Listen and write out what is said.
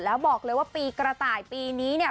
แล้วบอกเลยว่าปีกระต่ายปีนี้เนี่ย